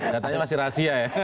datanya masih rahasia ya